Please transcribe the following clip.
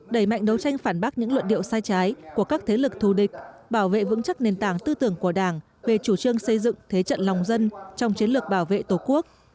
đẩy mạnh đấu tranh phản bác những luận điệu sai trái của các thế lực thù địch bảo vệ vững chắc nền tảng tư tưởng của đảng về chủ trương xây dựng thế trận lòng dân trong chiến lược bảo vệ tổ quốc